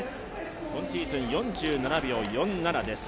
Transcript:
今シーズン４７秒４７です。